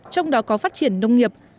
trong đó có phát triển nông nghiệp